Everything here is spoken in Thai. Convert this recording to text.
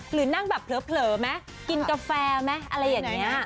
หรือนั่งแบบเผลอไหมกินกาแฟไหมอะไรอย่างนี้